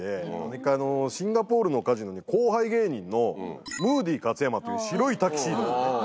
一回シンガポールのカジノに後輩芸人のムーディ勝山という白いタキシードの。